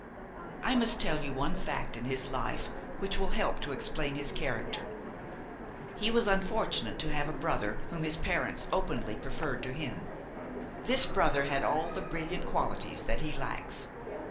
I must tell you one fact in his life which will help to explain his character. He was unfortunate to have a brother whom his parents openly preferred to him; this brother had all the brilliant qualities that he lacks.